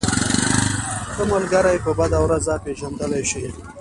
ښه ملگری په بده ورځ پېژندلی شې.